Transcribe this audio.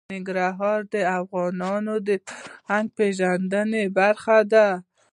ننګرهار د افغانانو د فرهنګي پیژندنې برخه ده.